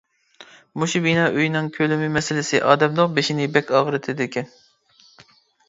مۇشۇ بىنا ئۆينىڭ كۆلىمى مەسىلىسى ئادەمنىڭ بېشىنى بەك ئاغرىتىدىكەن.